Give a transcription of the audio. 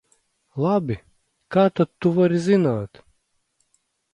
Labi, kā tad tu vari zināt?